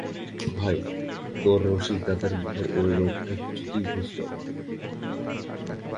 ভাই, তোর রসিকদাদার মুখের ঐ রোগটা কিছুতেই ঘুচল না।